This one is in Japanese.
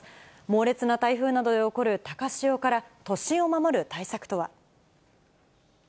猛烈な台風などで起こる高潮から、都心を守る対策とは。